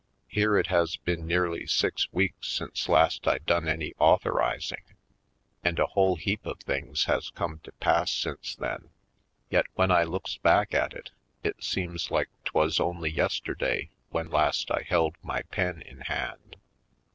Here it has been nearly six weeks since last I done any authorizing, and a whole heap of things has come to pass since then; yet, when I looks back at it, it seems like 'twas only yes terday when last I held my pen in hand.